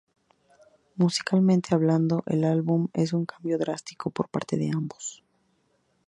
Musicalmente hablando, el álbum es un cambio drástico de la parte de Amos.